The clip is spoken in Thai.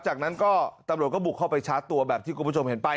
จากนั้นก็ตำรวจก็บุกเข้าไปชาร์จตัวแบบที่คุณผู้ชมเห็นไป